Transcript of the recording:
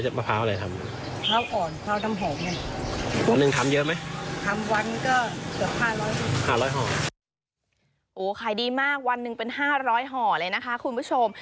โอ้โหขายดีมากวันหนึ่งเป็น๕๐๐ห่อเลยนะคะคุณผู้ชม